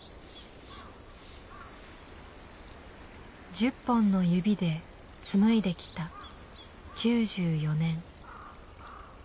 十本の指で紡いできた９４年。